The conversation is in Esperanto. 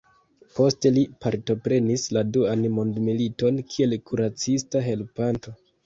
Poste li partoprenis la duan mondmiliton kiel kuracista helpanto.